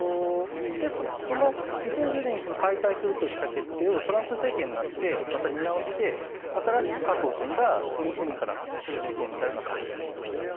その２０１０年に解体するとした決定をトランプ政権になってまた見直して新しく核を積んだ海から発射する巡航ミサイルの開発を決めたと。